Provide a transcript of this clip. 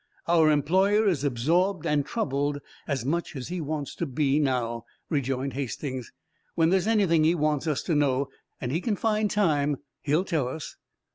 "Our employer is absorbed, and, troubled as much as he wants to be, now," rejoined Hastings. "When there's anything he wants us to know, and he can find time, he'll tell us."